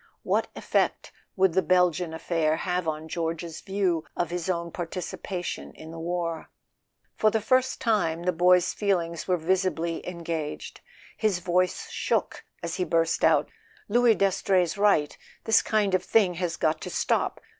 What effect would the Belgian affair have on George's view of his own participation in the war? For the first time the boy's feelings were visibly en¬ gaged; his voice shook as he burst out: "Louis Das trey's right: this kind of thing has got to stop.